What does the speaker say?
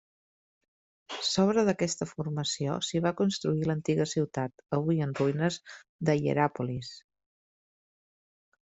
Sobre d'aquesta formació s'hi va construir l'antiga ciutat, avui en ruïnes, de Hieràpolis.